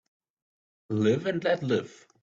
Live and let live